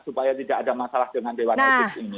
supaya tidak ada masalah dengan dewan etik ini